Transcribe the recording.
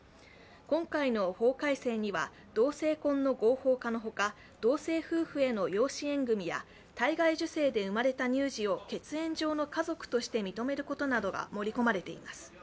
今回の法改正には、同性婚の合法化のほか同性夫婦への養子縁組や体外受精で産まれた乳児を血縁上の家族として認めることなどが盛り込まれています。